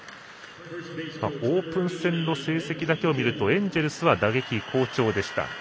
オープン戦の成績だけを見るとエンジェルスは打撃、好調でした。